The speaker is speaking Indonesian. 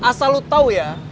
asal lo tau ya